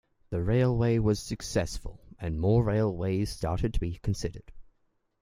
The railway was successful and more railways started to be considered.